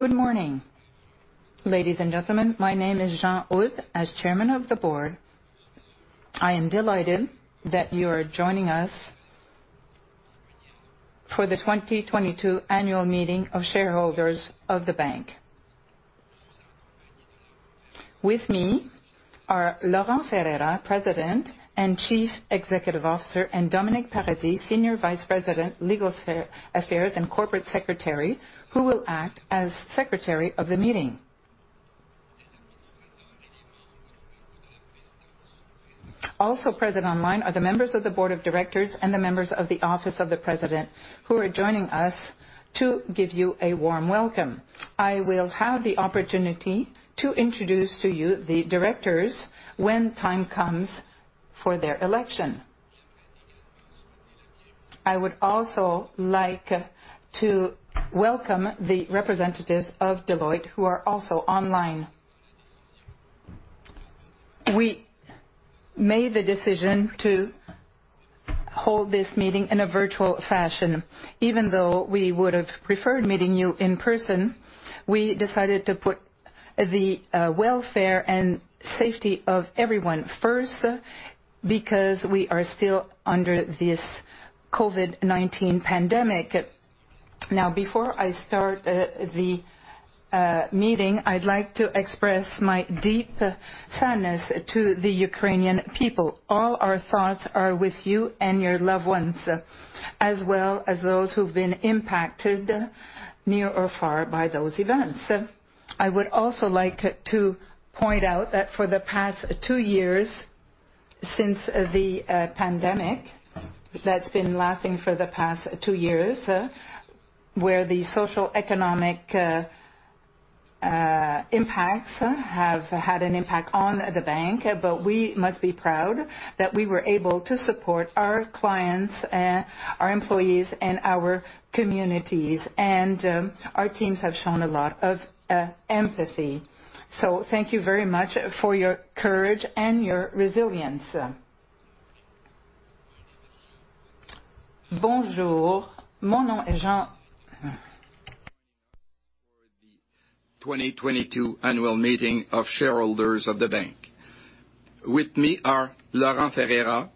Good morning, ladies and gentlemen. My name is Jean Houde. As Chairman of the Board, I am delighted that you are joining us for the 2022 annual meeting of shareholders of the bank. With me are Laurent Ferreira, President and Chief Executive Officer, and Dominic Paradis, Senior Vice President, Legal Affairs and Corporate Secretary, who will act as Secretary of the meeting. Also present online are the members of the Board of Directors and the members of the Office of the President who are joining us to give you a warm welcome. I will have the opportunity to introduce to you the directors when time comes for their election. I would also like to welcome the representatives of Deloitte, who are also online. We made the decision to hold this meeting in a virtual fashion. Even though we would have preferred meeting you in person, we decided to put the welfare and safety of everyone first because we are still under this COVID-19 pandemic. Now, before I start the meeting, I'd like to express my deep sadness to the Ukrainian people. All our thoughts are with you and your loved ones, as well as those who've been impacted near or far by those events. I would also like to point out that for the past two years since the pandemic that's been lasting for the past two years, where the socio-economic impacts have had an impact on the bank, but we must be proud that we were able to support our clients and our employees and our communities. Our teams have shown a lot of empathy. Thank you very much for your courage and your resilience. For the 2022 annual meeting of shareholders of the bank. With me are Laurent Ferreira,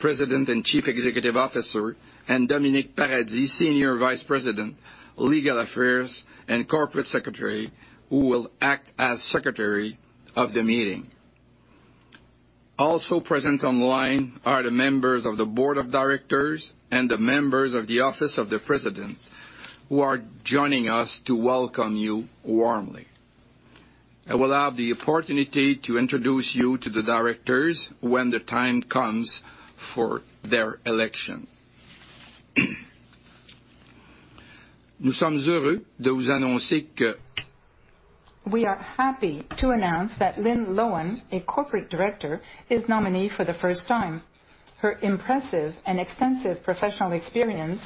President and Chief Executive Officer, and Dominic Paradis, Senior Vice-President, Legal Affairs and Corporate Secretary, who will act as Secretary of the meeting. Also present online are the members of the Board of Directors and the members of the Office of the President who are joining us to welcome you warmly. I will have the opportunity to introduce you to the directors when the time comes for their election. We are happy to announce that Lynn Loewen, a Corporate Director, is nominee for the first time. Her impressive and extensive professional experience,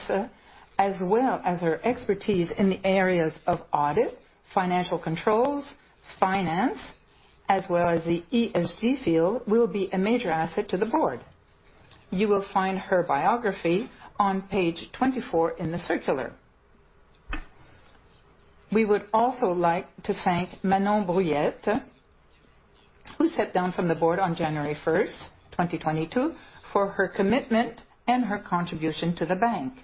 as well as her expertise in the areas of audit, financial controls, finance, as well as the ESG field, will be a major asset to the Board. You will find her biography on page 24 in the circular. We would also like to thank Manon Brouillette, who sat down from the Board on January 1st, 2022, for her commitment and her contribution to the bank.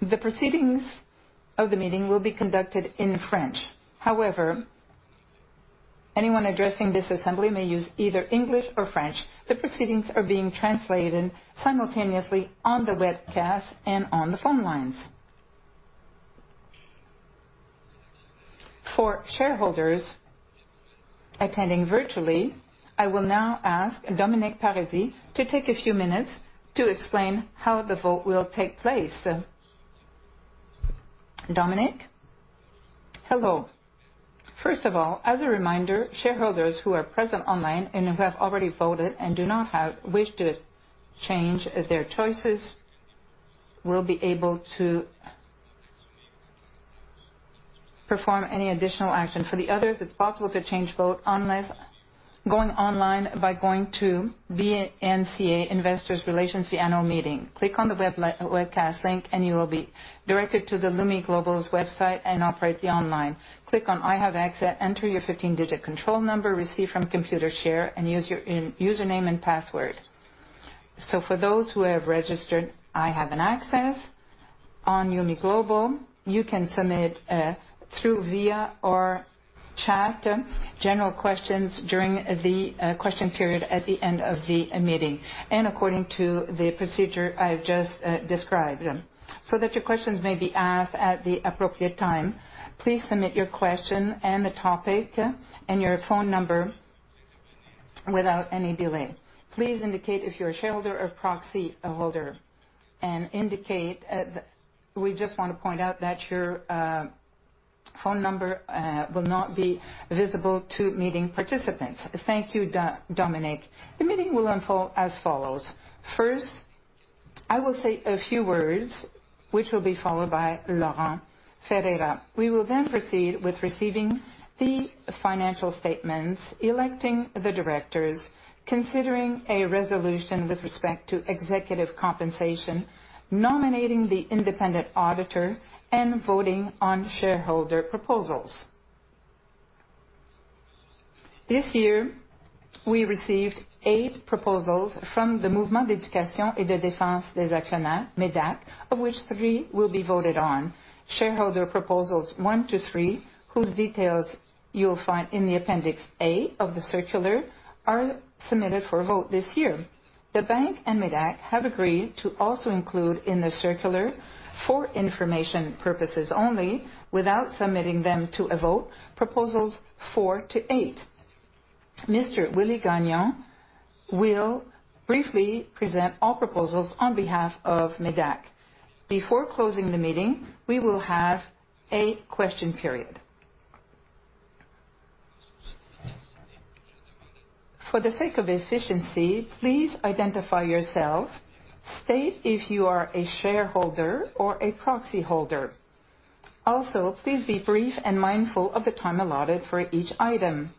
The proceedings of the meeting will be conducted in French. However, anyone addressing this assembly may use either English or French. The proceedings are being translated simultaneously on the webcast and on the phone lines. For shareholders attending virtually, I will now ask Dominic Paradis to take a few minutes to explain how the vote will take place. Dominic? Hello. First of all, as a reminder, shareholders who are present online and who have already voted and do not wish to change their choices will be able to perform any additional action. For the others, it's possible to change vote by going online by going to nbc.ca Investor Relations Annual Meeting. Click on the webcast link and you will be directed to the Lumi Global's website and to operate online. Click on I have access. Enter your 15-digit control number received from Computershare and use your username and password. For those who have registered, I have access on Lumi Global. You can submit through video or chat general questions during the question period at the end of the meeting and according to the procedure I've just described. So that your questions may be asked at the appropriate time, please submit your question and the topic and your phone number without any delay. Please indicate if you're a shareholder or proxy holder, we just want to point out that your phone number will not be visible to meeting participants. Thank you, Dominic. The meeting will unfold as follows. First, I will say a few words, which will be followed by Laurent Ferreira. We will then proceed with receiving the financial statements, electing the Directors, considering a resolution with respect to executive compensation, nominating the Independent Auditor, and voting on shareholder proposals. This year, we received eight proposals from the Mouvement d'éducation et de défense des actionnaires, MÉDAC, of which three will be voted on. Shareholder proposals one-three, whose details you'll find in the Appendix A of the circular, are submitted for a vote this year. The bank and MÉDAC have agreed to also include in the circular, for information purposes only, without submitting them to a vote, proposals four-eight. Mr. Willie Gagnon will briefly present all proposals on behalf of MÉDAC. Before closing the meeting, we will have a question period. For the sake of efficiency, please identify yourself. State if you are a shareholder or a proxyholder. Also, please be brief and mindful of the time allotted for each item.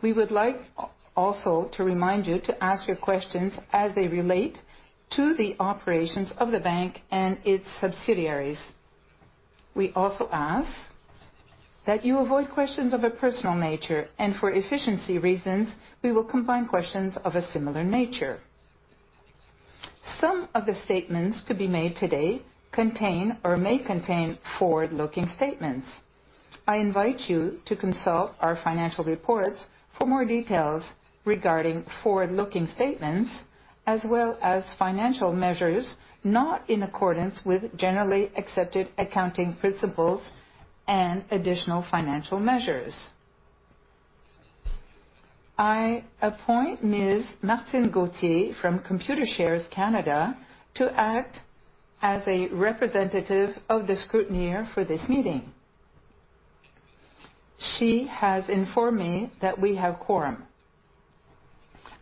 We would like also to remind you to ask your questions as they relate to the operations of the bank and its subsidiaries. We also ask that you avoid questions of a personal nature, and for efficiency reasons, we will combine questions of a similar nature. Some of the statements to be made today contain or may contain forward-looking statements. I invite you to consult our financial reports for more details regarding forward-looking statements, as well as financial measures not in accordance with generally accepted accounting principles and additional financial measures. I appoint Ms. Martine Gauthier from Computershare Canada to act as a representative of the scrutineer for this meeting. She has informed me that we have quorum.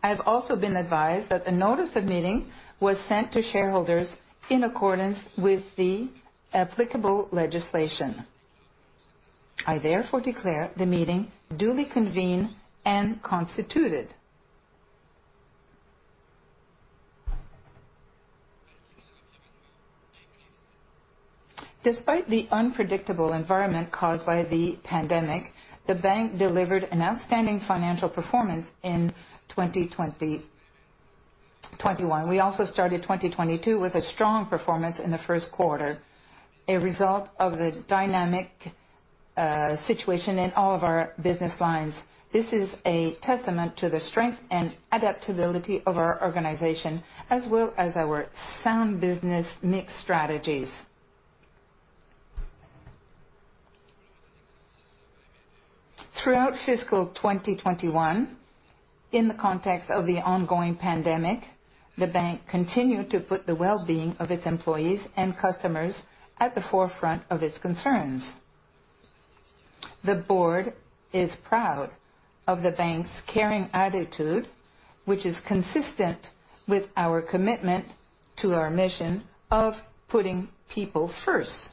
I have also been advised that the notice of meeting was sent to shareholders in accordance with the applicable legislation. I therefore declare the meeting duly convened and constituted. Despite the unpredictable environment caused by the pandemic, the bank delivered an outstanding financial performance in 2021. We also started 2022 with a strong performance in the first quarter, a result of the dynamic situation in all of our business lines. This is a testament to the strength and adaptability of our organization, as well as our sound business mix strategies. Throughout fiscal 2021, in the context of the ongoing pandemic, the bank continued to put the well-being of its employees and customers at the forefront of its concerns. The Board is proud of the bank's caring attitude, which is consistent with our commitment to our mission of putting people first.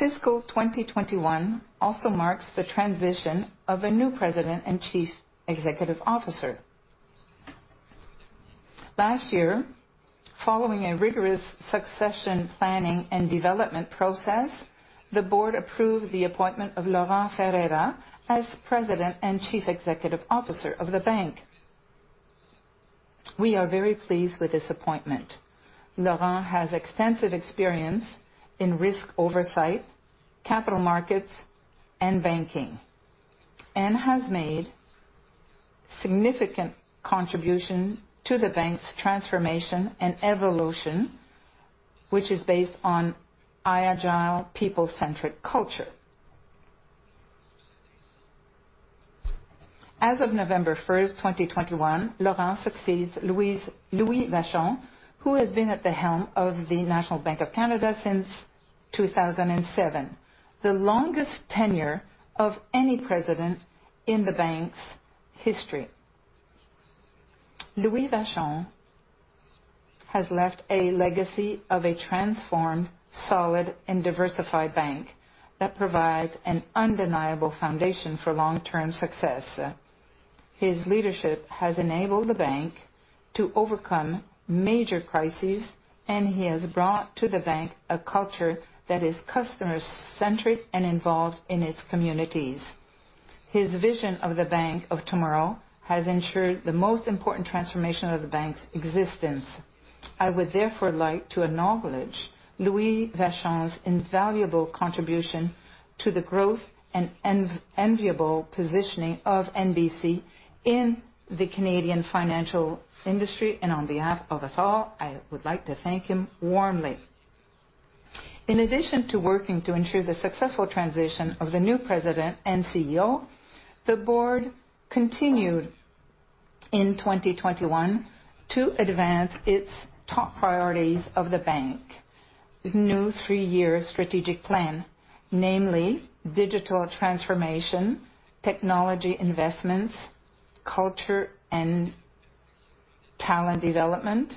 Fiscal 2021 also marks the transition of a new President and Chief Executive Officer. Last year, following a rigorous succession planning and development process, the Board approved the appointment of Laurent Ferreira as President and Chief Executive Officer of the bank. We are very pleased with this appointment. Laurent has extensive experience in risk oversight, capital markets, and banking, and has made significant contribution to the bank's transformation and evolution, which is based on high agile people-centric culture. As of November 1st, 2021, Laurent succeeds Louis Vachon, who has been at the helm of the National Bank of Canada since 2007, the longest tenure of any President in the bank's history. Louis Vachon has left a legacy of a transformed, solid, and diversified bank that provides an undeniable foundation for long-term success. His leadership has enabled the bank to overcome major crises, and he has brought to the bank a culture that is customer-centric and involved in its communities. His vision of the bank of tomorrow has ensured the most important transformation of the bank's existence. I would therefore like to acknowledge Louis Vachon's invaluable contribution to the growth and enviable positioning of NBC in the Canadian financial industry. On behalf of us all, I would like to thank him warmly. In addition to working to ensure the successful transition of the new President and CEO, the Board continued in 2021 to advance its top priorities of the Bank's new three-year strategic plan, namely digital transformation, technology investments, culture and talent development,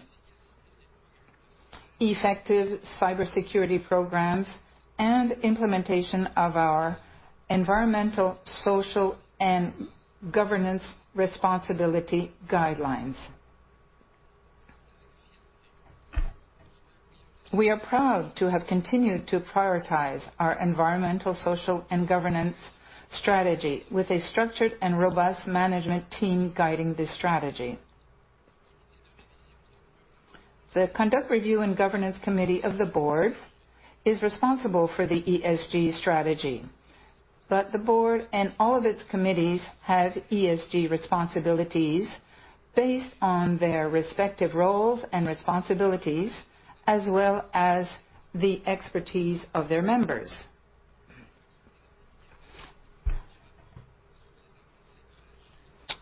effective cybersecurity programs, and implementation of our environmental, social, and governance responsibility guidelines. We are proud to have continued to prioritize our environmental, social, and governance strategy with a structured and robust management team guiding this strategy. The Conduct Review and Governance Committee of the Board is responsible for the ESG strategy, but the Board and all of its committees have ESG responsibilities based on their respective roles and responsibilities, as well as the expertise of their members.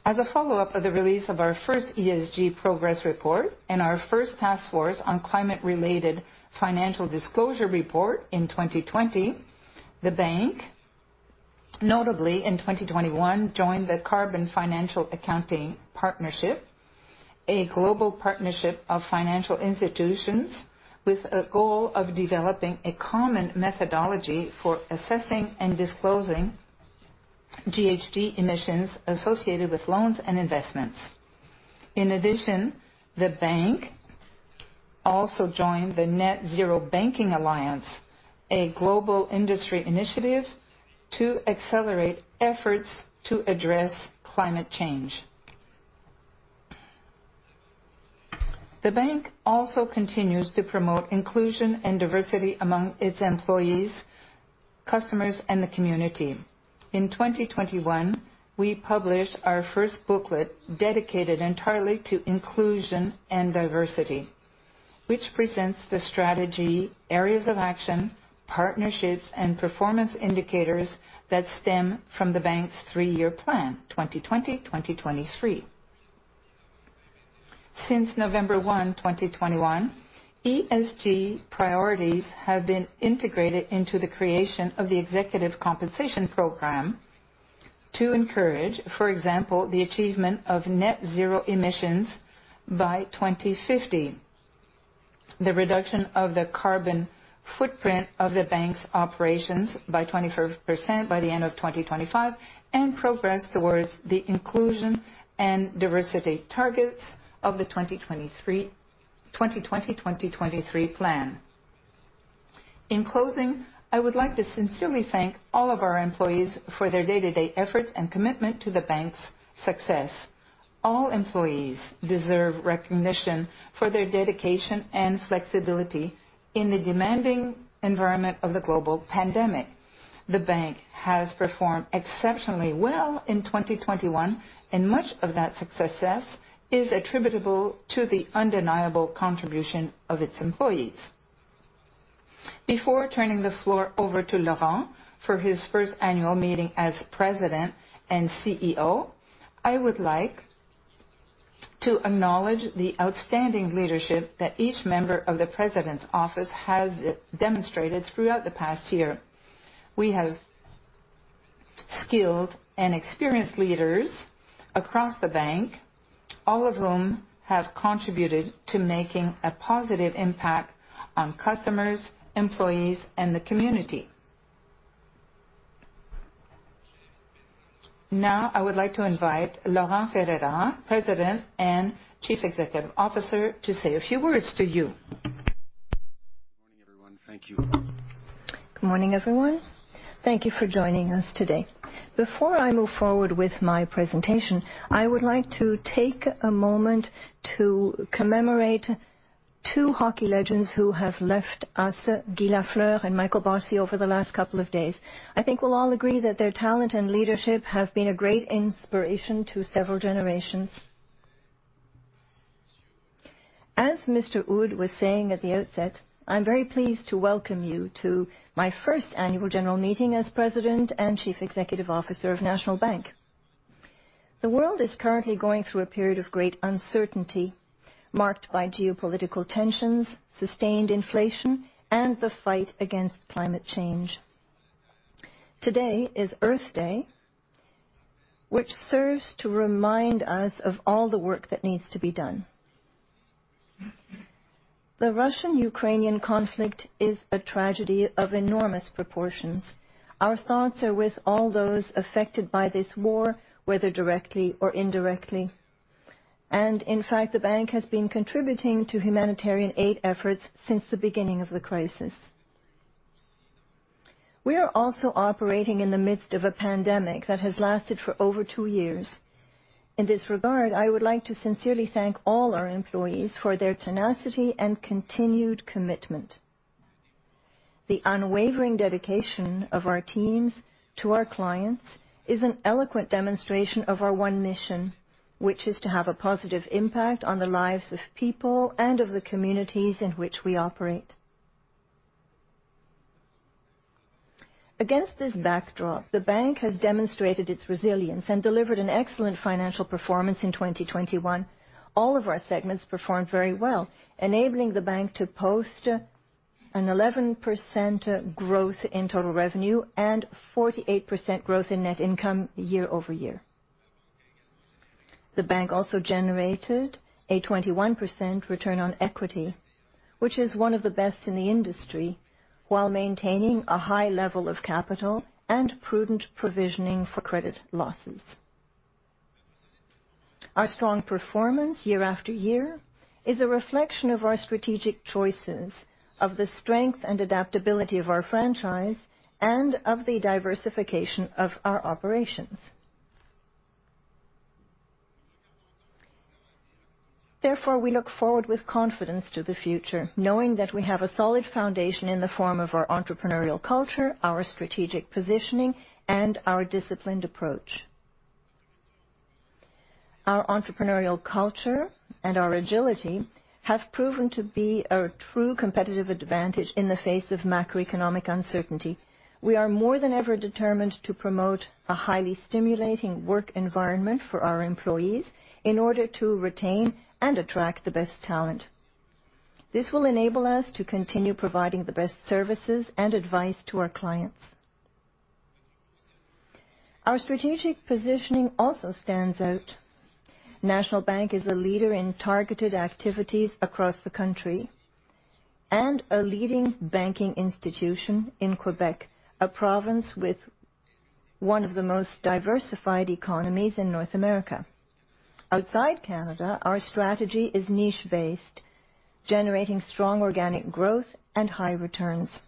As a follow-up of the release of our first ESG progress report and our first task force on climate-related financial disclosure report in 2020, the bank, notably in 2021, joined the Carbon Financials Accounting Partnership, a global partnership of financial institutions with a goal of developing a common methodology for assessing and disclosing GHG emissions associated with loans and investments. In addition, the bank also joined the Net-Zero Banking Alliance, a global industry initiative to accelerate efforts to address climate change. The bank also continues to promote inclusion and diversity among its employees, customers, and the community. In 2021, we published our first booklet dedicated entirely to inclusion and diversity, which presents the strategy, areas of action, partnerships, and performance indicators that stem from the Bank's three-year plan, 2020, 2023. Since November 1, 2021, ESG priorities have been integrated into the creation of the executive compensation program to encourage, for example, the achievement of net zero emissions by 2050, the reduction of the carbon footprint of the bank's operations by 24% by the end of 2025, and progress towards the inclusion and diversity targets of the 2020-2023 plan. In closing, I would like to sincerely thank all of our employees for their day-to-day efforts and commitment to the bank's success. All employees deserve recognition for their dedication and flexibility in the demanding environment of the global pandemic. The bank has performed exceptionally well in 2021, and much of that success is attributable to the undeniable contribution of its employees. Before turning the floor over to Laurent for his first annual meeting as President and CEO, I would like to acknowledge the outstanding leadership that each member of the president's office has demonstrated throughout the past year. We have skilled and experienced leaders across the bank, all of whom have contributed to making a positive impact on customers, employees, and the community. Now, I would like to invite Laurent Ferreira, President and Chief Executive Officer, to say a few words to you. Good morning, everyone. Thank you. Good morning, everyone. Thank you for joining us today. Before I move forward with my presentation, I would like to take a moment to commemorate two hockey legends who have left us, Guy Lafleur and Mike Bossy, over the last couple of days. I think we'll all agree that their talent and leadership have been a great inspiration to several generations. As Mr. Houde was saying at the outset, I'm very pleased to welcome you to my first Annual General Meeting as President and Chief Executive Officer of National Bank. The world is currently going through a period of great uncertainty marked by geopolitical tensions, sustained inflation, and the fight against climate change. Today is Earth Day, which serves to remind us of all the work that needs to be done. The Russian-Ukrainian conflict is a tragedy of enormous proportions. Our thoughts are with all those affected by this war, whether directly or indirectly. In fact, the bank has been contributing to humanitarian aid efforts since the beginning of the crisis. We are also operating in the midst of a pandemic that has lasted for over two years. In this regard, I would like to sincerely thank all our employees for their tenacity and continued commitment. The unwavering dedication of our teams to our clients is an eloquent demonstration of our one mission, which is to have a positive impact on the lives of people and of the communities in which we operate. Against this backdrop, the bank has demonstrated its resilience and delivered an excellent financial performance in 2021. All of our segments performed very well, enabling the Bank to post an 11% growth in total revenue and 48% growth in net income year-over-year. The Bank also generated a 21% return on equity, which is one of the best in the industry, while maintaining a high level of capital and prudent provisioning for credit losses. Our strong performance year after year is a reflection of our strategic choices, of the strength and adaptability of our franchise, and of the diversification of our operations. Therefore, we look forward with confidence to the future, knowing that we have a solid foundation in the form of our entrepreneurial culture, our strategic positioning, and our disciplined approach. Our entrepreneurial culture and our agility have proven to be a true competitive advantage in the face of macroeconomic uncertainty. We are more than ever determined to promote a highly stimulating work environment for our employees in order to retain and attract the best talent. This will enable us to continue providing the best services and advice to our clients. Our strategic positioning also stands out. National Bank is a leader in targeted activities across the country and a leading banking institution in Quebec, a province with one of the most diversified economies in North America. Outside Canada, our strategy is niche-based, generating strong organic growth and high returns.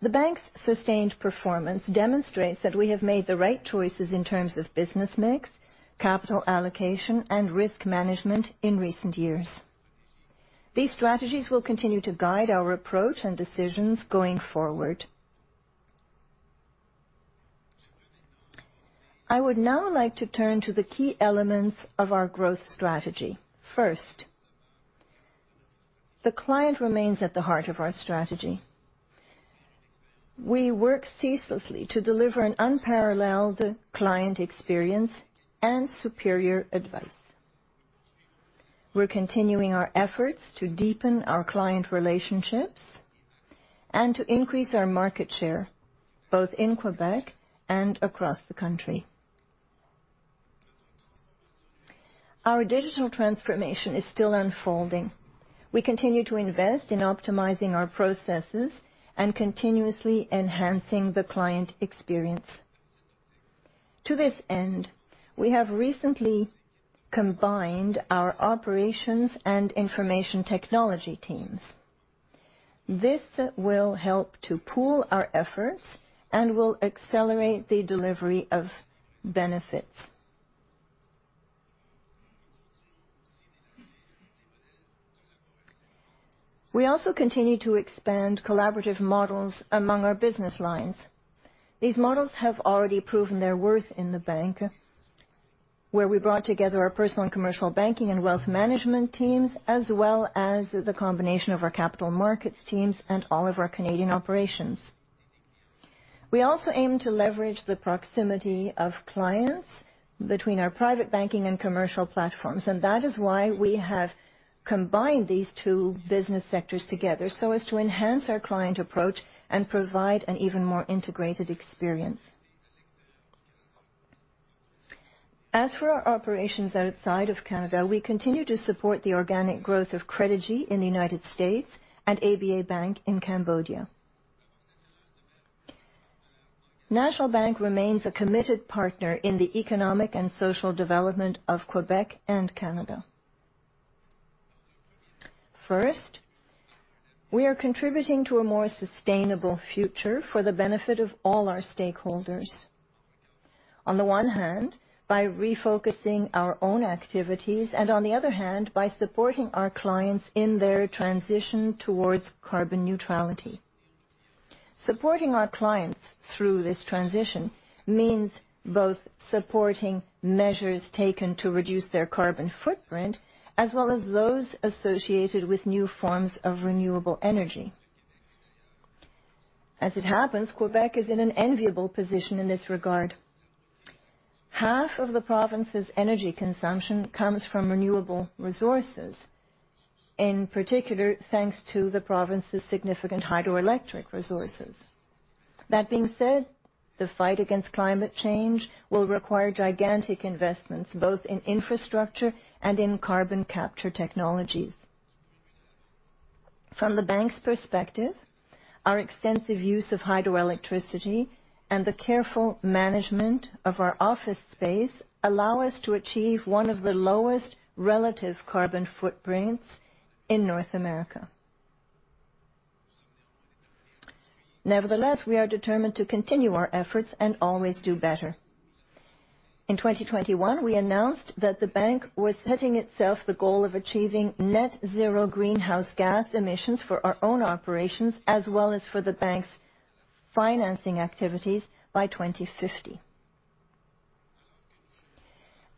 The bank's sustained performance demonstrates that we have made the right choices in terms of business mix, capital allocation, and risk management in recent years. These strategies will continue to guide our approach and decisions going forward. I would now like to turn to the key elements of our growth strategy. First, the client remains at the heart of our strategy. We work ceaselessly to deliver an unparalleled client experience and superior advice. We're continuing our efforts to deepen our client relationships and to increase our market share both in Quebec and across the country. Our digital transformation is still unfolding. We continue to invest in optimizing our processes and continuously enhancing the client experience. To this end, we have recently combined our operations and information technology teams. This will help to pool our efforts and will accelerate the delivery of benefits. We also continue to expand collaborative models among our business lines. These models have already proven their worth in the bank, where we brought together our personal and commercial banking and wealth management teams, as well as the combination of our capital markets teams and all of our Canadian operations. We also aim to leverage the proximity of clients between our private banking and commercial platforms, and that is why we have combined these two business sectors together, so as to enhance our client approach and provide an even more integrated experience. As for our operations outside of Canada, we continue to support the organic growth of Credigy in the United States and ABA Bank in Cambodia. National Bank remains a committed partner in the economic and social development of Quebec and Canada. First, we are contributing to a more sustainable future for the benefit of all our stakeholders, on the one hand, by refocusing our own activities, and on the other hand, by supporting our clients in their transition towards carbon neutrality. Supporting our clients through this transition means both supporting measures taken to reduce their carbon footprint, as well as those associated with new forms of renewable energy. As it happens, Quebec is in an enviable position in this regard. Half of the province's energy consumption comes from renewable resources, in particular, thanks to the province's significant hydroelectric resources. That being said, the fight against climate change will require gigantic investments, both in infrastructure and in carbon capture technologies. From the Bank's perspective, our extensive use of hydroelectricity and the careful management of our office space allow us to achieve one of the lowest relative carbon footprints in North America. Nevertheless, we are determined to continue our efforts and always do better. In 2021, we announced that the bank was setting itself the goal of achieving net zero greenhouse gas emissions for our own operations as well as for the bank's financing activities by 2050.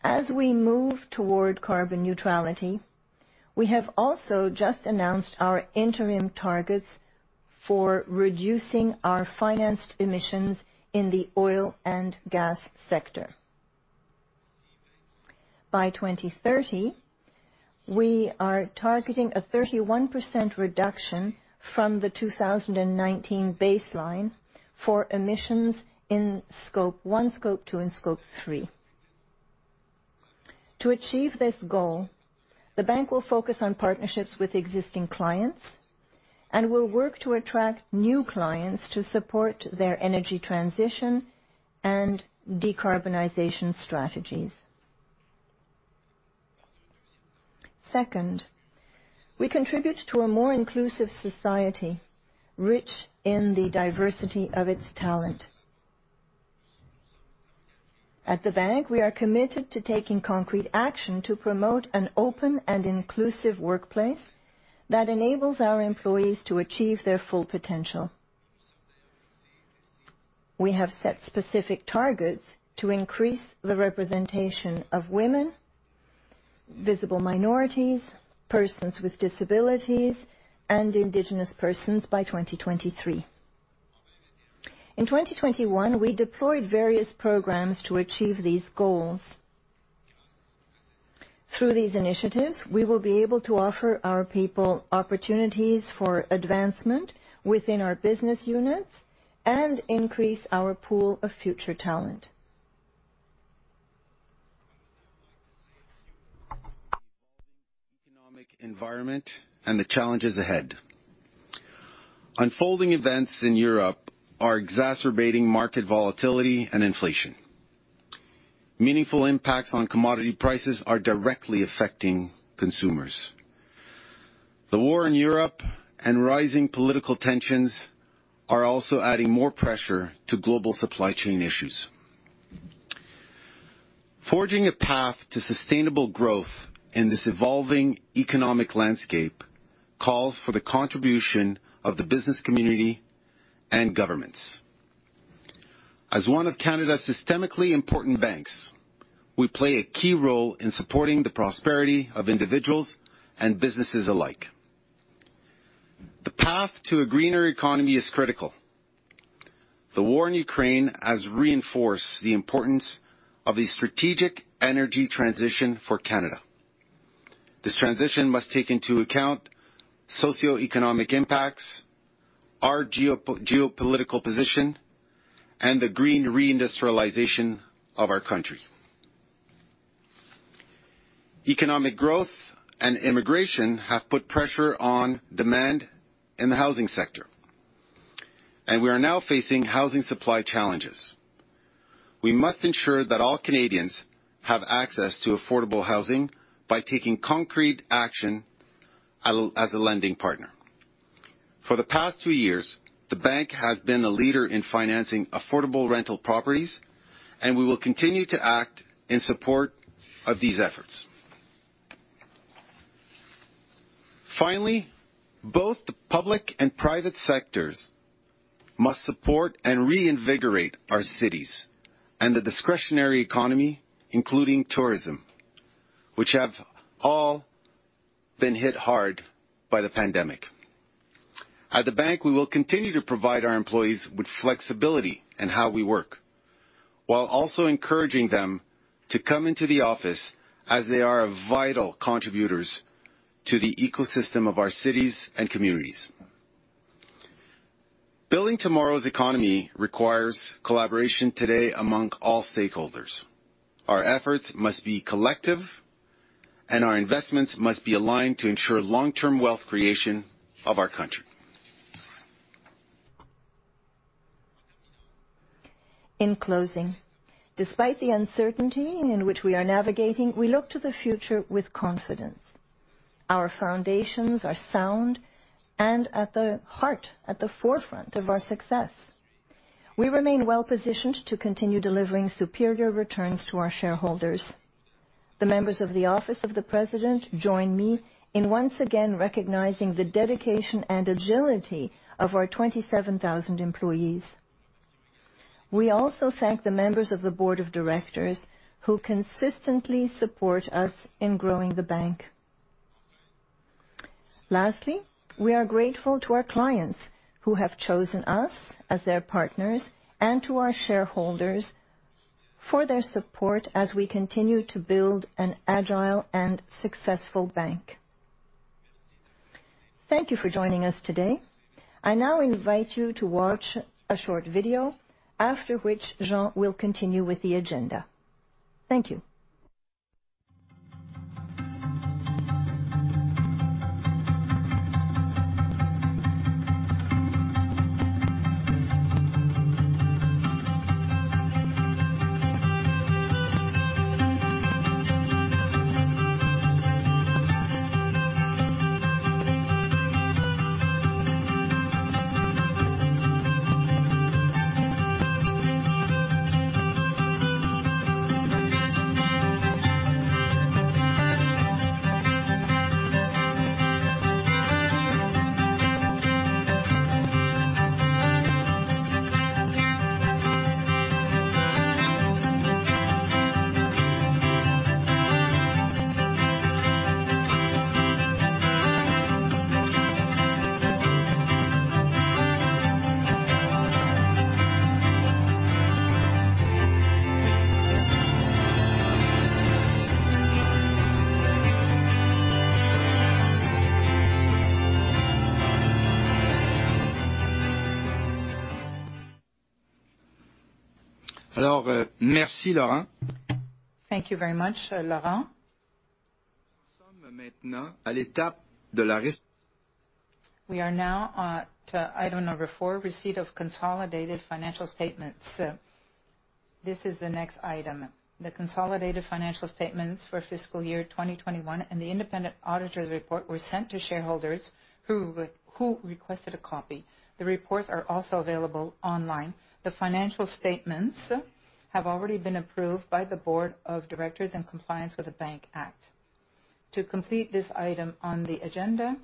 As we move toward carbon neutrality, we have also just announced our interim targets for reducing our financed emissions in the oil and gas sector. By 2030, we are targeting a 31% reduction from the 2019 baseline for emissions in Scope 1, Scope 2, and Scope 3. To achieve this goal, the bank will focus on partnerships with existing clients and will work to attract new clients to support their energy transition and decarbonization strategies. Second, we contribute to a more inclusive society, rich in the diversity of its talent. At the Bank, we are committed to taking concrete action to promote an open and inclusive workplace that enables our employees to achieve their full potential. We have set specific targets to increase the representation of women, visible minorities, persons with disabilities, and indigenous persons by 2023. In 2021, we deployed various programs to achieve these goals. Through these initiatives, we will be able to offer our people opportunities for advancement within our business units and increase our pool of future talent. Evolving economic environment and the challenges ahead. Unfolding events in Europe are exacerbating market volatility and inflation. Meaningful impacts on commodity prices are directly affecting consumers. The war in Europe and rising political tensions are also adding more pressure to global supply chain issues. Forging a path to sustainable growth in this evolving economic landscape calls for the contribution of the business community and governments. As one of Canada's systemically important banks, we play a key role in supporting the prosperity of individuals and businesses alike. The path to a greener economy is critical. The war in Ukraine has reinforced the importance of a strategic energy transition for Canada. This transition must take into account socioeconomic impacts, our geopolitical position, and the green reindustrialization of our country. Economic growth and immigration have put pressure on demand in the housing sector, and we are now facing housing supply challenges. We must ensure that all Canadians have access to affordable housing by taking concrete action as a lending partner. For the past two years, the Bank has been a leader in financing affordable rental properties, and we will continue to act in support of these efforts. Finally, both the public and private sectors must support and reinvigorate our cities and the discretionary economy, including tourism, which have all been hit hard by the pandemic. At the Bank, we will continue to provide our employees with flexibility in how we work, while also encouraging them to come into the office as they are vital contributors to the ecosystem of our cities and communities. Building tomorrow's economy requires collaboration today among all stakeholders. Our efforts must be collective, and our investments must be aligned to ensure long-term wealth creation of our country. In closing, despite the uncertainty in which we are navigating, we look to the future with confidence. Our foundations are sound and at the heart, at the forefront of our success. We remain well-positioned to continue delivering superior returns to our shareholders. The members of the Office of the President join me in once again recognizing the dedication and agility of our 27,000 employees. We also thank the members of the Board of Directors who consistently support us in growing the bank. Lastly, we are grateful to our clients who have chosen us as their partners and to our shareholders for their support as we continue to build an agile and successful bank. Thank you for joining us today. I now invite you to watch a short video after which Jean will continue with the agenda. Thank you. Thank you very much, Laurent. We are now on to item number four, receipt of consolidated financial statements. This is the next item. The consolidated financial statements for fiscal year 2021 and the independent auditor's report were sent to shareholders who requested a copy. The reports are also available online. The financial statements have already been approved by the Board of Directors in compliance with the Bank Act. To complete this item on the agenda,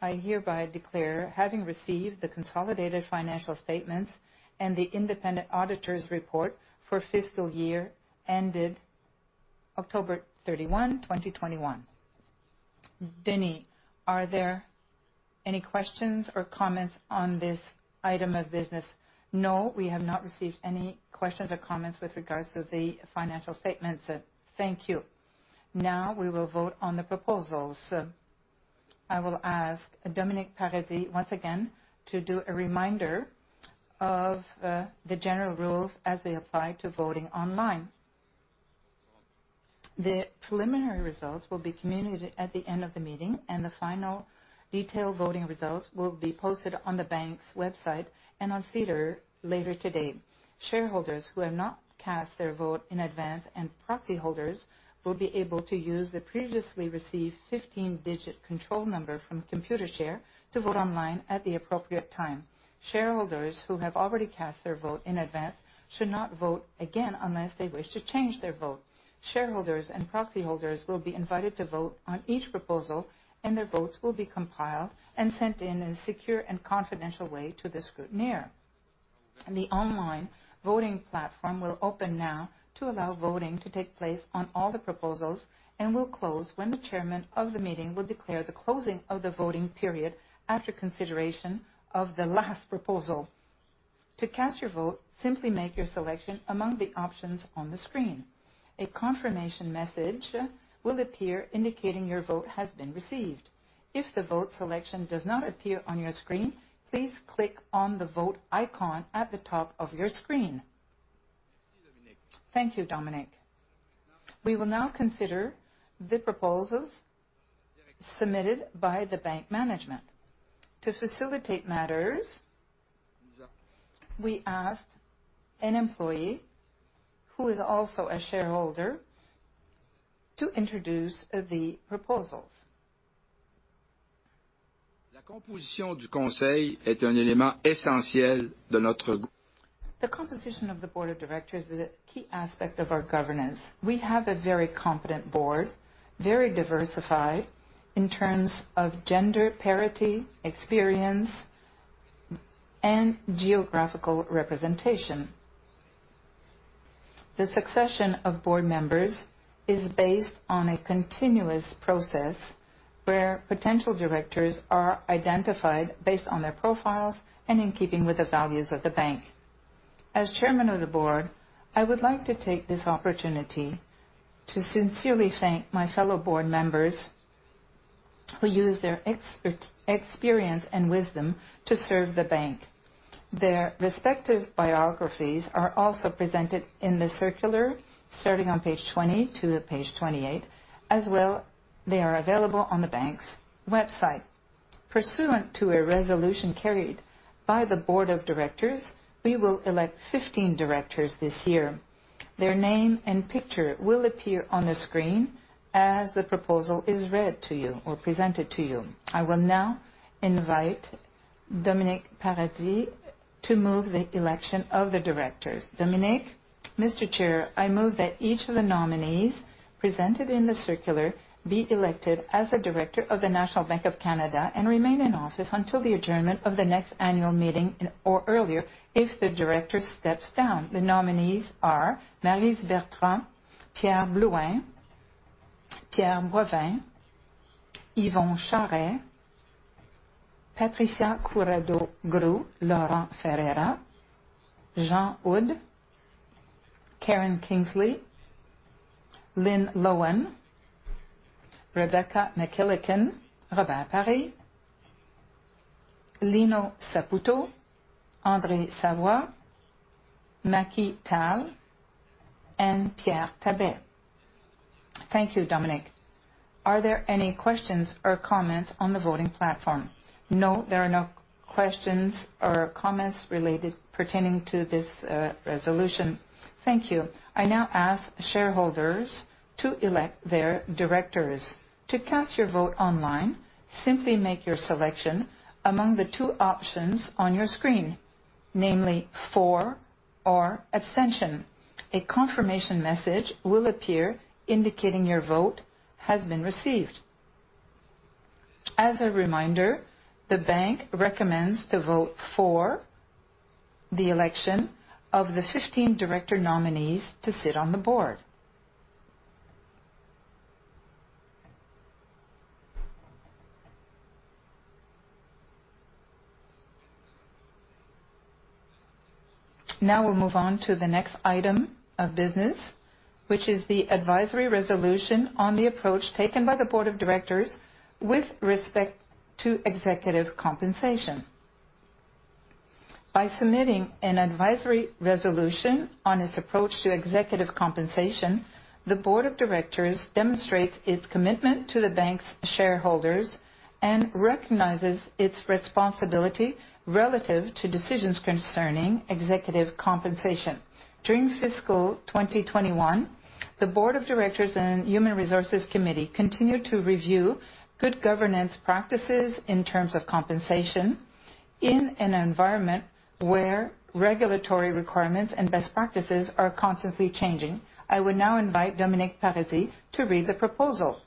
I hereby declare, having received the consolidated financial statements and the independent auditor's report for fiscal year ended October 31, 2021. Denny, are there any questions or comments on this item of business? No, we have not received any questions or comments with regards to the financial statements. Thank you. Now we will vote on the proposals. I will ask Dominic Paradis once again to do a reminder of the general rules as they apply to voting online. The preliminary results will be communicated at the end of the meeting, and the final detailed voting results will be posted on the bank's website and on SEDAR later today. Shareholders who have not cast their vote in advance and proxy holders will be able to use the previously received 15-digit control number from Computershare to vote online at the appropriate time. Shareholders who have already cast their vote in advance should not vote again unless they wish to change their vote. Shareholders and proxy holders will be invited to vote on each proposal, and their votes will be compiled and sent in a secure and confidential way to the scrutineer. The online voting platform will open now to allow voting to take place on all the proposals and will close when the Chairman of the meeting will declare the closing of the voting period after consideration of the last proposal. To cast your vote, simply make your selection among the options on the screen. A confirmation message will appear indicating your vote has been received. If the vote selection does not appear on your screen, please click on the Vote icon at the top of your screen. Thank you, Dominic. We will now consider the proposals submitted by the bank management. To facilitate matters, we asked an employee who is also a shareholder to introduce the proposals. The composition of the Board of Directors is a key aspect of our governance. We have a very competent Board, very diversified in terms of gender parity, experience, and geographical representation. The succession of Board members is based on a continuous process where potential directors are identified based on their profiles and in keeping with the values of the bank. As Chairman of the Board, I would like to take this opportunity to sincerely thank my fellow Board members who use their experience and wisdom to serve the bank. Their respective biographies are also presented in the circular starting on page 20 to page 28. As well, they are available on the Bank's website. Pursuant to a resolution carried by the Board of Directors, we will elect 15 Directors this year. Their name and picture will appear on the screen as the proposal is read to you or presented to you. I will now invite Dominic Paradis to move the election of the Directors. Dominic? Mr. Chair, I move that each of the nominees presented in the circular be elected as a Director of the National Bank of Canada and remain in office until the adjournment of the next annual meeting or earlier if the Director steps down. The nominees are Maryse Bertrand, Pierre Blouin, Pierre Brunet, Yvon Charest, Patricia Curadeau-Grou, Laurent Ferreira, Jean Houde, Karen Kinsley, Lynn Loewen, Rebecca McKillican, Robert Paré, Lino Saputo, André Savard, Macky Tall, and Pierre Thabet. Thank you, Dominic Paradis. Are there any questions or comments on the voting platform? No, there are no questions or comments related, pertaining to this resolution. Thank you. I now ask shareholders to elect their Directors. To cast your vote online, simply make your selection among the two options on your screen, namely for or abstention. A confirmation message will appear indicating your vote has been received. As a reminder, the bank recommends to vote for the election of the 15 Director nominees to sit on the Board. Now we'll move on to the next item of business, which is the advisory resolution on the approach taken by the Board of Directors with respect to executive compensation. By submitting an advisory resolution on its approach to executive compensation, the Board of Directors demonstrates its commitment to the bank's shareholders and recognizes its responsibility relative to decisions concerning executive compensation. During fiscal 2021, the Board of Directors and Human Resources Committee continued to review good governance practices in terms of compensation in an environment where regulatory requirements and best practices are constantly changing. I would now invite Dominic Paradis to read the proposal.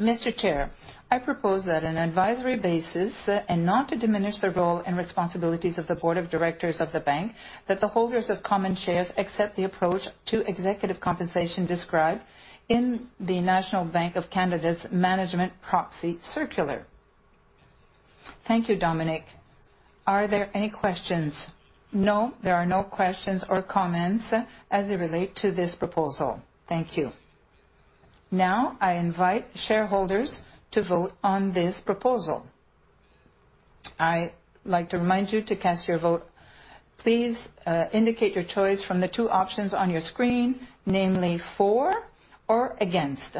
Mr. Chair, I propose that on an advisory basis, and not to diminish the role and responsibilities of the Board of Directors of the bank, that the holders of common shares accept the approach to executive compensation described in the National Bank of Canada's management proxy circular. Thank you, Dominic. Are there any questions? No, there are no questions or comments as it relate to this proposal. Thank you. Now, I invite shareholders to vote on this proposal. I like to remind you to cast your vote. Please, indicate your choice from the two options on your screen, namely for or against.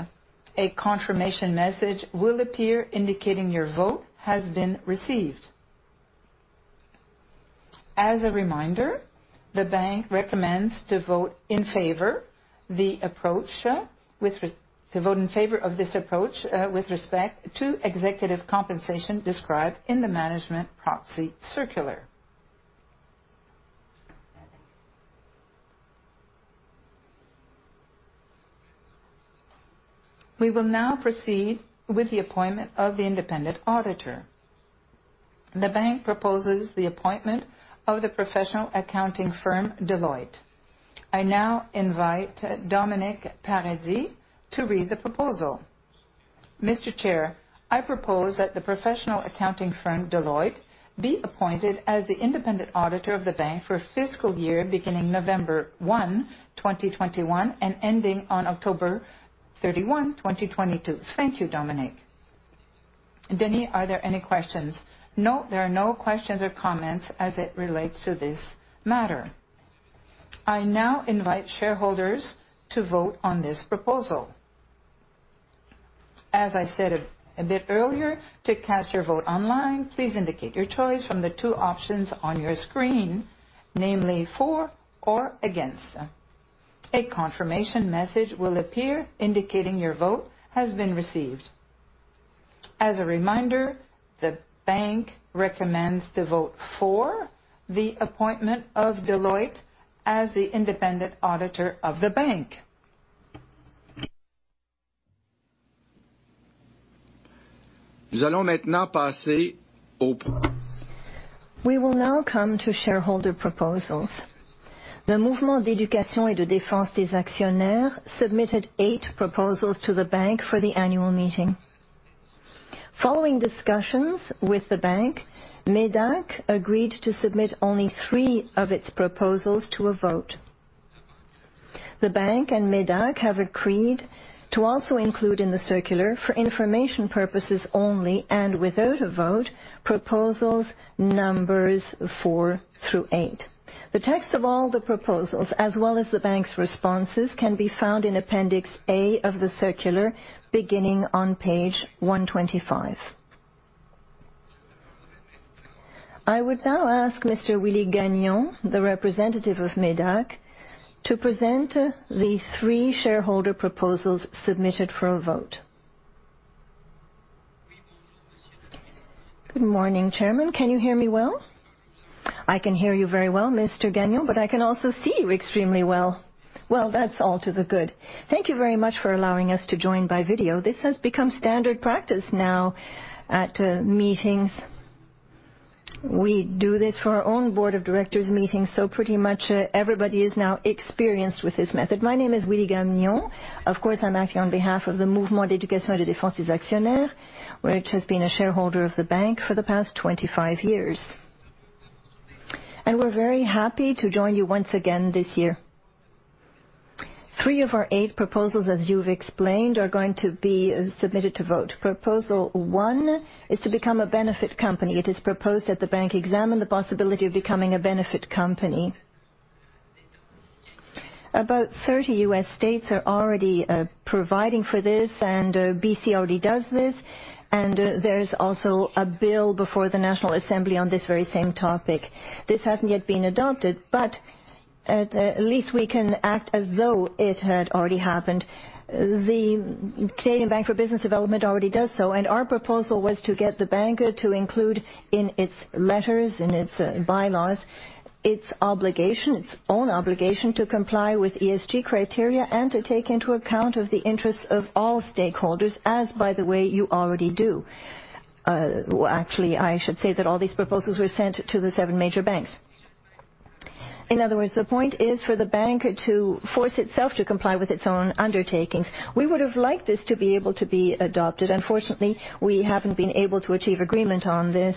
A confirmation message will appear indicating your vote has been received. As a reminder, the bank recommends to vote in favor of this approach with respect to executive compensation described in the management proxy circular. We will now proceed with the appointment of the Independent Auditor. The bank proposes the appointment of the professional accounting firm, Deloitte. I now invite Dominic Paradis to read the proposal. Mr. Chair, I propose that the professional accounting firm, Deloitte, be appointed as the Independent Auditor of the bank for fiscal year beginning November 1, 2021, and ending on October 31, 2022. Thank you, Dominic. Denny, are there any questions? No, there are no questions or comments as it relates to this matter. I now invite shareholders to vote on this proposal. As I said a bit earlier, to cast your vote online, please indicate your choice from the two options on your screen, namely for or against. A confirmation message will appear indicating your vote has been received. As a reminder, the bank recommends to vote for the appointment of Deloitte as the Independent Auditor of the bank. We will now come to shareholder proposals. The Mouvement d'éducation et de défense des actionnaires submitted eight proposals to the bank for the annual meeting. Following discussions with the bank, MÉDAC agreed to submit only three of its proposals to a vote. The bank and MÉDAC have agreed to also include in the circular for information purposes only and without a vote, proposals numbers four through eight. The text of all the proposals as well as the bank's responses can be found in appendix A of the circular beginning on page 125. I would now ask Mr. Willie Gagnon, the representative of MÉDAC, to present the three shareholder proposals submitted for a vote. Good morning, Chairman. Can you hear me well? I can hear you very well, Mr. Gagnon, but I can also see you extremely well. Well, that's all to the good. Thank you very much for allowing us to join by video. This has become standard practice now at meetings. We do this for our own Board of Directors meetings, so pretty much everybody is now experienced with this method. My name is Willie Gagnon. Of course, I'm acting on behalf of the Mouvement d'éducation et de défense des actionnaires, which has been a shareholder of the bank for the past 25 years. We're very happy to join you once again this year. Three of our eight proposals, as you've explained, are going to be submitted to vote. Proposal one is to become a benefit company. It is proposed that the bank examine the possibility of becoming a benefit company. About 30 U.S. states are already providing for this, and B.C. already does this. There's also a bill before the National Assembly on this very same topic. This hasn't yet been adopted, but at least we can act as though it had already happened. The Business Development Bank of Canada already does so, and our proposal was to get the bank to include in its letters, in its bylaws, its own obligation to comply with ESG criteria and to take into account of the interests of all stakeholders, as by the way, you already do. Well, actually, I should say that all these proposals were sent to the seven major banks. In other words, the point is for the bank to force itself to comply with its own undertakings. We would have liked this to be able to be adopted. Unfortunately, we haven't been able to achieve agreement on this.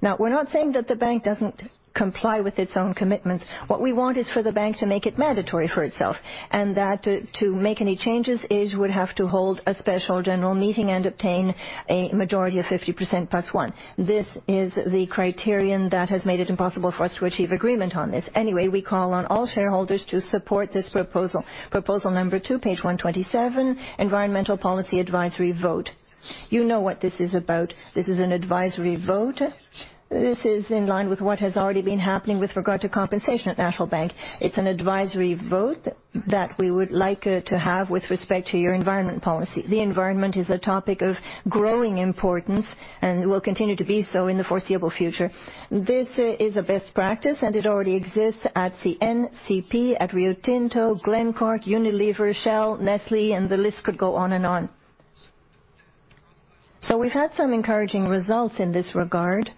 Now, we're not saying that the bank doesn't comply with its own commitments. What we want is for the bank to make it mandatory for itself, and that to make any changes, it would have to hold a special general meeting and obtain a majority of 50% plus one. This is the criterion that has made it impossible for us to achieve agreement on this. Anyway, we call on all shareholders to support this proposal. Proposal number two, page 127, environmental policy advisory vote. You know what this is about. This is an advisory vote. This is in line with what has already been happening with regard to compensation at National Bank. It's an advisory vote that we would like to have with respect to your environment policy. The environment is a topic of growing importance and will continue to be so in the foreseeable future. This is a best practice, and it already exists at CN, CP, at Rio Tinto, Glencore, Unilever, Shell, Nestlé, and the list could go on and on. We've had some encouraging results in this regard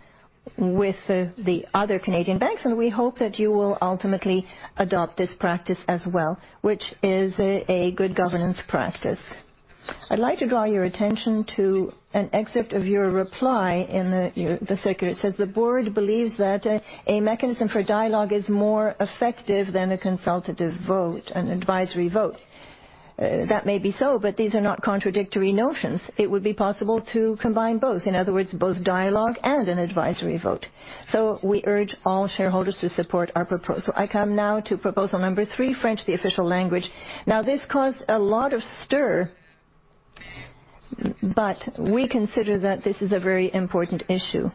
with the other Canadian banks, and we hope that you will ultimately adopt this practice as well, which is a good governance practice. I'd like to draw your attention to an excerpt of your reply in the, your, the circular. It says, "The Board believes that a mechanism for dialogue is more effective than a consultative vote, an advisory vote." That may be so, but these are not contradictory notions. It would be possible to combine both. In other words, both dialogue and an advisory vote. We urge all shareholders to support our proposal. I come now to proposal number three, French, the official language. This caused a lot of stir, but we consider that this is a very important issue.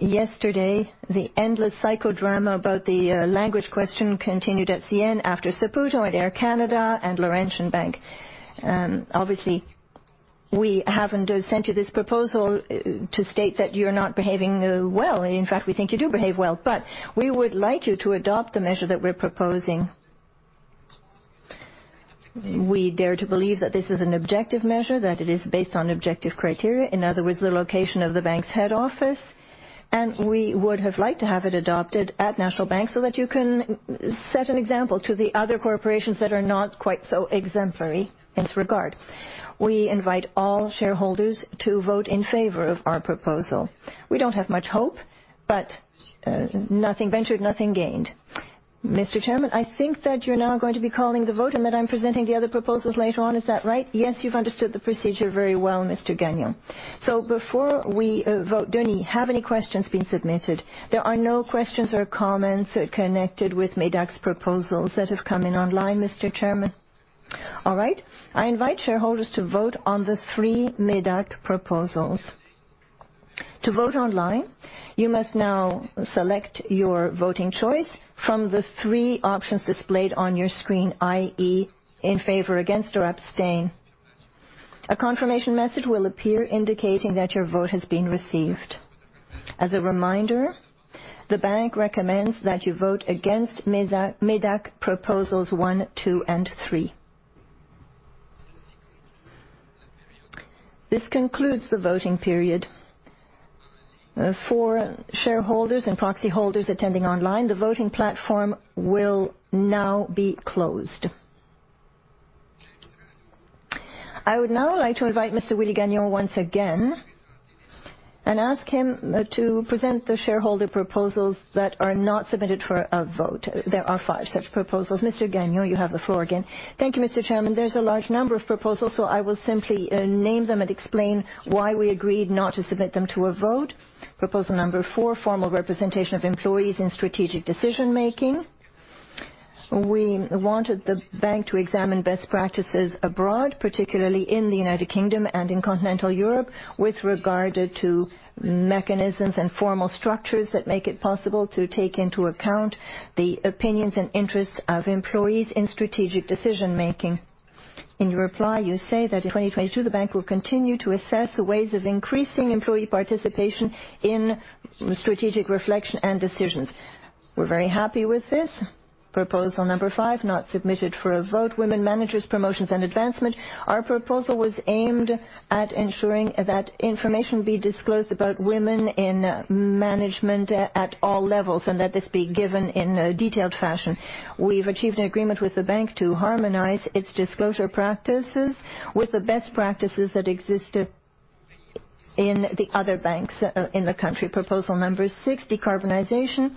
Yesterday, the endless psychodrama about the language question continued at CN after Saputo and Air Canada and Laurentian Bank. Obviously, we haven't sent you this proposal to state that you're not behaving well. In fact, we think you do behave well, but we would like you to adopt the measure that we're proposing. We dare to believe that this is an objective measure, that it is based on objective criteria, in other words, the location of the bank's head office, and we would have liked to have it adopted at National Bank so that you can set an example to the other corporations that are not quite so exemplary in this regard. We invite all shareholders to vote in favor of our proposal. We don't have much hope, but, nothing ventured, nothing gained. Mr. Chairman, I think that you're now going to be calling the vote and that I'm presenting the other proposals later on. Is that right? Yes, you've understood the procedure very well, Mr. Gagnon. Before we vote, Denny, have any questions been submitted? There are no questions or comments connected with MÉDAC's proposals that have come in online, Mr. Chairman. All right. I invite shareholders to vote on the three MÉDAC proposals. To vote online, you must now select your voting choice from the three options displayed on your screen, i.e., in favor, against, or abstain. A confirmation message will appear indicating that your vote has been received. As a reminder, the bank recommends that you vote against MÉDAC proposals one, two, and three. This concludes the voting period. For shareholders and proxy holders attending online, the voting platform will now be closed. I would now like to invite Mr. Willie Gagnon once again and ask him to present the shareholder proposals that are not submitted for a vote. There are five such proposals. Mr. Gagnon, you have the floor again. Thank you, Mr. Chairman. There's a large number of proposals, so I will simply name them and explain why we agreed not to submit them to a vote. Proposal number four, formal representation of employees in strategic decision-making. We wanted the bank to examine best practices abroad, particularly in the United Kingdom and in continental Europe, with regard to mechanisms and formal structures that make it possible to take into account the opinions and interests of employees in strategic decision-making. In your reply, you say that in 2022, the bank will continue to assess ways of increasing employee participation in strategic reflection and decisions. We're very happy with this. Proposal number five, not submitted for a vote, women managers, promotions and advancement. Our proposal was aimed at ensuring that information be disclosed about women in management at all levels and that this be given in a detailed fashion. We've achieved an agreement with the bank to harmonize its disclosure practices with the best practices that exist in the other banks in the country. Proposal number six, decarbonization.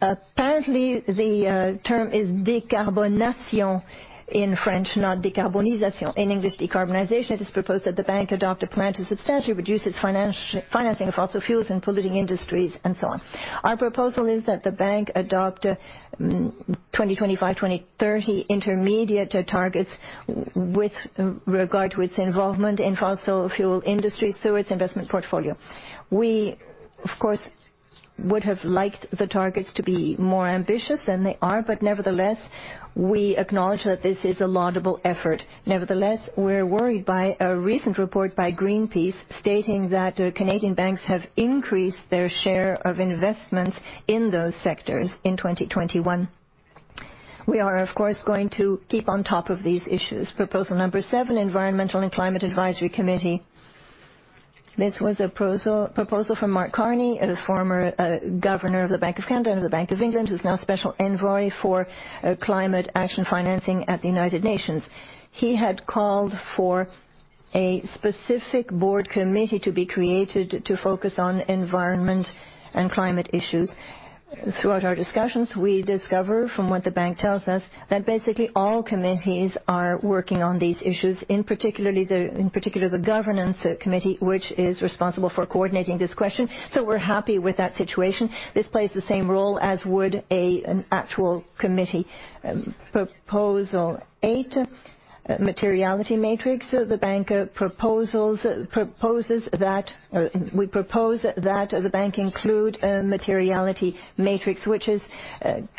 Apparently, the term is décarbonation in French, not décarbonisation. In English, decarbonization. It is proposed that the bank adopt a plan to substantially reduce its financing of fossil fuels and polluting industries, and so on. Our proposal is that the bank adopt 2025, 2030 intermediate targets with regard to its involvement in fossil fuel industry through its investment portfolio. We, of course, would have liked the targets to be more ambitious than they are, but nevertheless, we acknowledge that this is a laudable effort. Nevertheless, we're worried by a recent report by Greenpeace stating that Canadian banks have increased their share of investments in those sectors in 2021. We are of course going to keep on top of these issues. Proposal number seven, environmental and climate advisory committee. This was a proposal from Mark Carney, a former governor of the Bank of Canada and the Bank of England, who's now Special Envoy for Climate Action Financing at the United Nations. He had called for a specific Board committee to be created to focus on environment and climate issues. Throughout our discussions, we discover from what the bank tells us that basically all committees are working on these issues, in particular the governance committee, which is responsible for coordinating this question. We're happy with that situation. This plays the same role as would an actual committee. Proposal eight, materiality matrix. We propose that the bank include a materiality matrix which is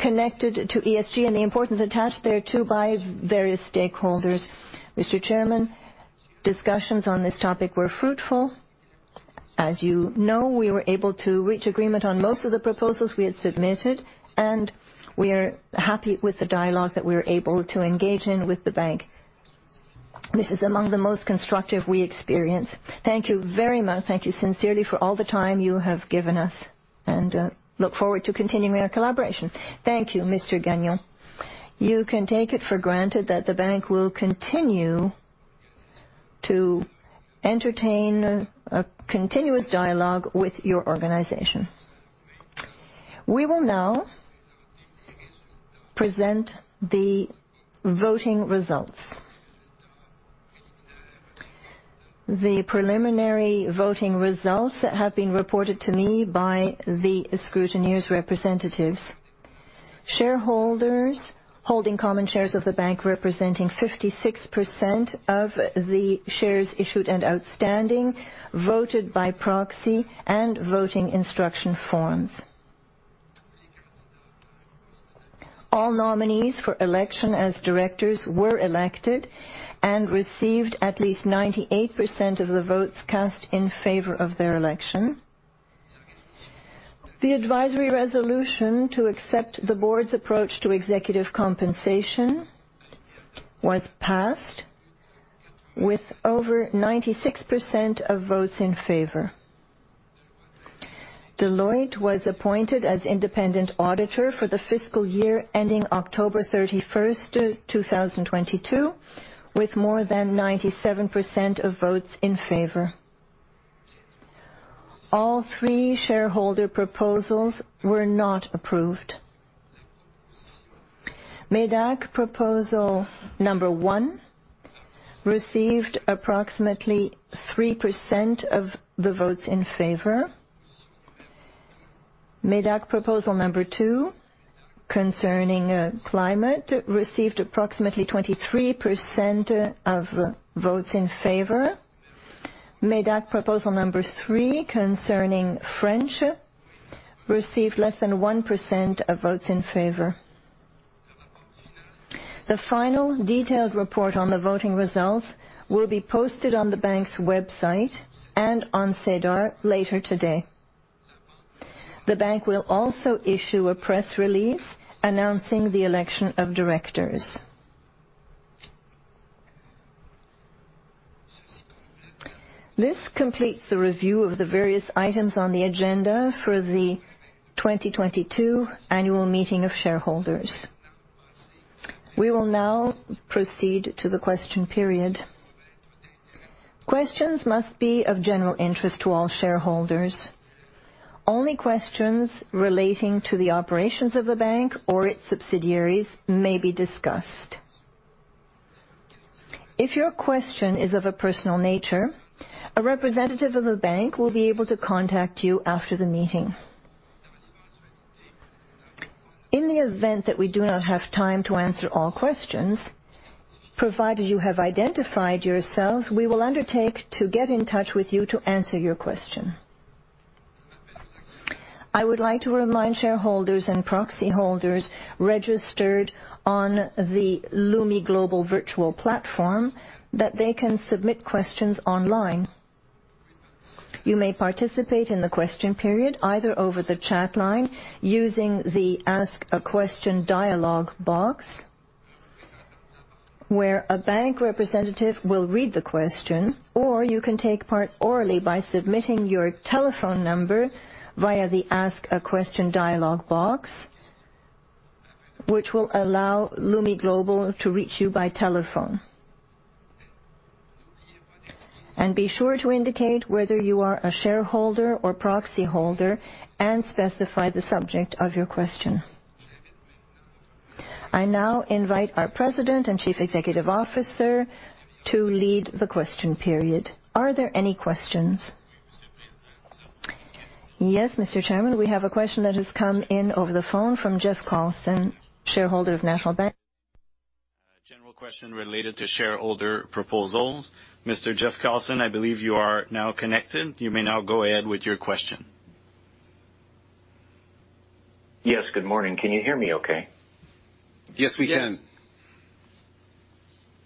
connected to ESG and the importance attached thereto by various stakeholders. Mr. Chairman, discussions on this topic were fruitful. As you know, we were able to reach agreement on most of the proposals we had submitted, and we are happy with the dialogue that we're able to engage in with the bank. This is among the most constructive we experience. Thank you very much. Thank you sincerely for all the time you have given us, and look forward to continuing our collaboration. Thank you, Mr. Gagnon. You can take it for granted that the bank will continue to entertain a continuous dialogue with your organization. We will now present the voting results. The preliminary voting results have been reported to me by the scrutineers representatives. Shareholders holding common shares of the bank representing 56% of the shares issued and outstanding voted by proxy and voting instruction forms. All nominees for election as Directors were elected and received at least 98% of the votes cast in favor of their election. The advisory resolution to accept the Board's approach to executive compensation was passed with over 96% of votes in favor. Deloitte was appointed as Independent Auditor for the fiscal year ending October 31st, 2022, with more than 97% of votes in favor. All three shareholder proposals were not approved. MÉDAC proposal number one received approximately 3% of the votes in favor. MÉDAC proposal number two concerning climate received approximately 23% of votes in favor. MÉDAC proposal number three concerning financing received less than 1% of votes in favor. The final detailed report on the voting results will be posted on the bank's website and on SEDAR later today. The bank will also issue a press release announcing the election of Directors. This completes the review of the various items on the agenda for the 2022 annual meeting of shareholders. We will now proceed to the question period. Questions must be of general interest to all shareholders. Only questions relating to the operations of the bank or its subsidiaries may be discussed. If your question is of a personal nature, a representative of the bank will be able to contact you after the meeting. In the event that we do not have time to answer all questions, provided you have identified yourselves, we will undertake to get in touch with you to answer your question. I would like to remind shareholders and proxy holders registered on the Lumi Global virtual platform that they can submit questions online. You may participate in the question period either over the chat line using the Ask a Question dialogue box, where a bank representative will read the question, or you can take part orally by submitting your telephone number via the Ask a Question dialogue box, which will allow Lumi Global to reach you by telephone. Be sure to indicate whether you are a shareholder or proxy holder and specify the subject of your question. I now invite our President and Chief Executive Officer to lead the question period. Are there any questions? Yes, Mr. Chairman, we have a question that has come in over the phone from Jeff Carlson, shareholder of National Bank. A general question related to shareholder proposals. Mr. Jeff Carlson, I believe you are now connected. You may now go ahead with your question. Yes, good morning. Can you hear me okay? Yes, we can.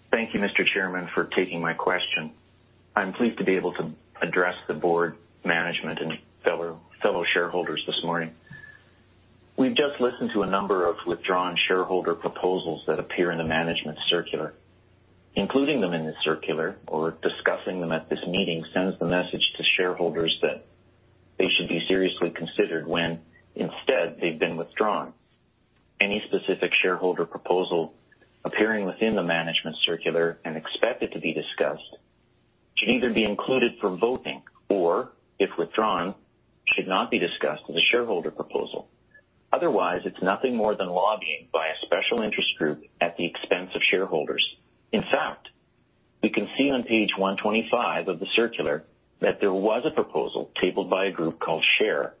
Thank you, Mr. Chairman, for taking my question. I'm pleased to be able to address the Board management and fellow shareholders this morning. We've just listened to a number of withdrawn shareholder proposals that appear in the management circular. Including them in the circular or discussing them at this meeting sends the message to shareholders that they should be seriously considered when instead they've been withdrawn. Any specific shareholder proposal appearing within the management circular and expected to be discussed should either be included for voting or if withdrawn, should not be discussed as a shareholder proposal. Otherwise, it's nothing more than lobbying by a special interest group at the expense of shareholders. In fact, we can see on page 125 of the circular that there was a proposal tabled by a group called SHARE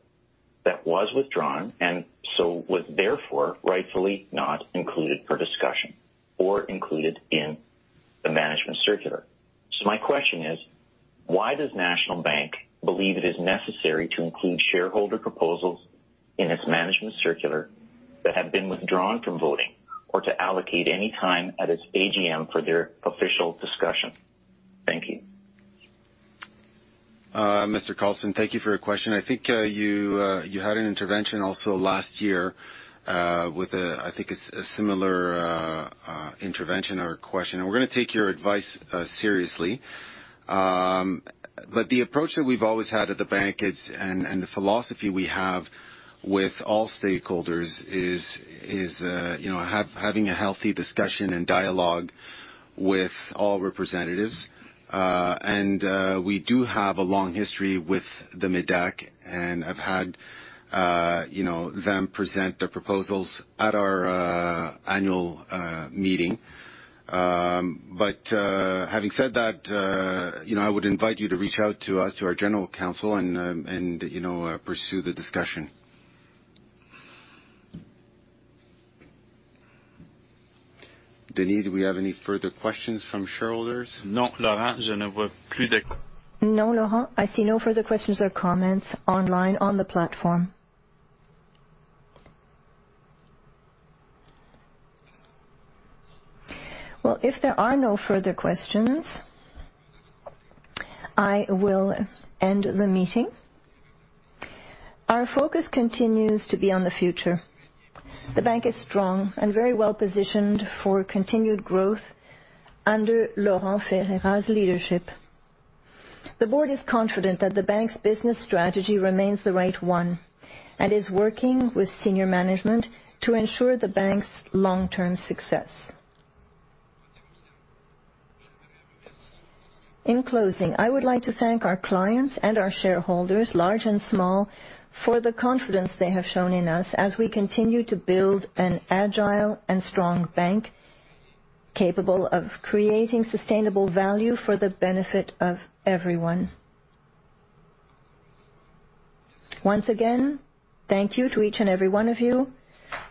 that was withdrawn and so was therefore rightfully not included for discussion or included in the management circular. My question is, why does National Bank believe it is necessary to include shareholder proposals in its management circular that have been withdrawn from voting, or to allocate any time at its AGM for their official discussion? Thank you. Mr. Carlson, thank you for your question. I think you had an intervention also last year with I think a similar intervention or question. We're gonna take your advice seriously. The approach that we've always had at the bank is, and the philosophy we have with all stakeholders is, you know, having a healthy discussion and dialogue with all representatives. We do have a long history with the MÉDAC, and I've had you know them present their proposals at our annual meeting. Having said that, you know, I would invite you to reach out to us, to our general counsel and, you know, pursue the discussion. Denny, do we have any further questions from shareholders? No, Laurent. No, Laurent. I see no further questions or comments online on the platform. Well, if there are no further questions, I will end the meeting. Our focus continues to be on the future. The bank is strong and very well-positioned for continued growth under Laurent Ferreira's leadership. The Board is confident that the bank's business strategy remains the right one and is working with senior management to ensure the bank's long-term success. In closing, I would like to thank our clients and our shareholders, large and small, for the confidence they have shown in us as we continue to build an agile and strong bank capable of creating sustainable value for the benefit of everyone. Once again, thank you to each and every one of you.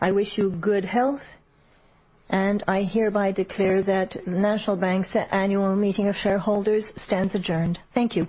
I wish you good health, and I hereby declare that National Bank's annual meeting of shareholders stands adjourned. Thank you.